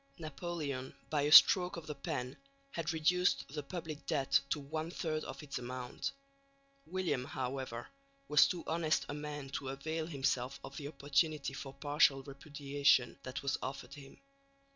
Napoleon by a stroke of the pen had reduced the public debt to one third of its amount. William, however, was too honest a man to avail himself of the opportunity for partial repudiation that was offered him.